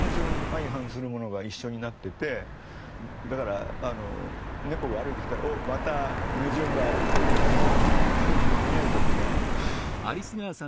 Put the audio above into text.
相反するものが一緒になっててだから猫が歩いてきたらおっまた矛盾が歩いてるっていうふうに見える時もある。